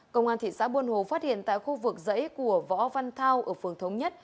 công an thị xã buôn hồ phát hiện tại khu vực dãy của võ văn thao ở phường thống nhất